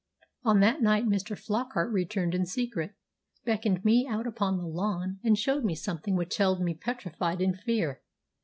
on that night Mr. Flockart returned in secret, beckoned me out upon the lawn, and showed me something which held me petrified in fear.